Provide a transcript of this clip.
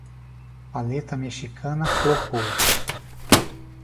Paleta mexicana flopou